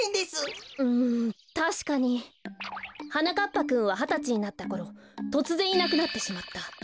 ぱくんははたちになったころとつぜんいなくなってしまった。